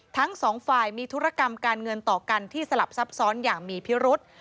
ทั้งสองฝ่ายมีธุรกรรมการเงินต่อกันที่สลับซับซ้อนอย่างมีพิรุษ